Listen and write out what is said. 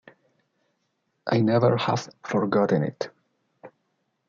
I never have forgotten it.